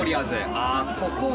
あっここは。